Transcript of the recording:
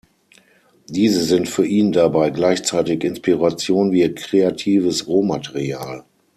Diese sind für ihn dabei gleichzeitig Inspiration wie kreatives Rohmaterial.